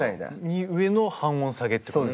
上の半音下げってこと。